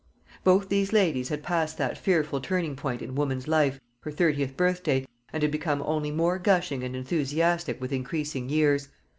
Both these ladies had passed that fearful turning point in woman's life, her thirtieth birthday, and had become only more gushing and enthusiastic with increasing years.